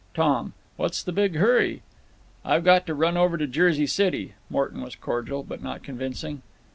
Tom: "What's the big hurry?" "I've got to run clear over to Jersey City." Morton was cordial, but not convincing.